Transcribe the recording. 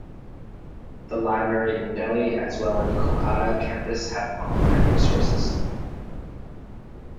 The library in Delhi as well in Kolkata campus have online resources.